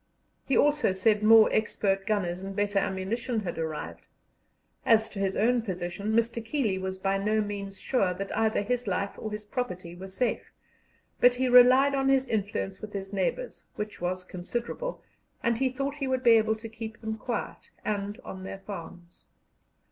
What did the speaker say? He also said more expert gunners and better ammunition had arrived. As to his own position, Mr. Keeley was by no means sure that either his life or his property were safe, but he relied on his influence with his neighbours, which was considerable, and he thought he would be able to keep them quiet and on their farms.